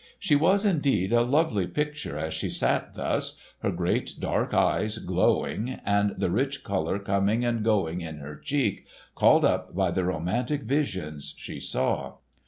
She was indeed a lovely picture as she sat thus, her great dark eyes glowing and the rich colour coming and going in her cheeks, called up by the romantic visions she saw.